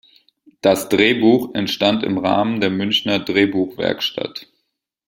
Das Drehbuch entstand im Rahmen der Münchner Drehbuchwerkstatt.